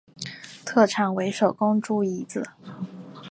特产为手工猪胰子。